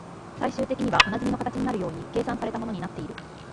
最終的にはおなじみの形になるように計算された物になっている